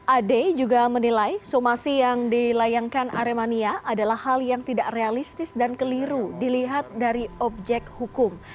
ade juga menilai somasi yang dilayangkan aremania adalah hal yang tidak realistis dan keliru dilihat dari objek hukum